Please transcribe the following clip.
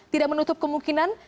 tidak menutup kemungkinan